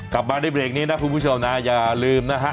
กลับมาในเบรกนี้นะคุณผู้ชมนะอย่าลืมนะฮะ